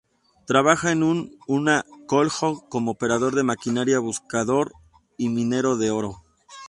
Trabajó en una "koljós" como operador de maquinaria, buscador y minero de oro.